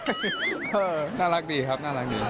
เออน่ารักดีครับดี